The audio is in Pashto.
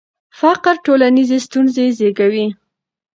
فقر ټولنیزې ستونزې زیږوي.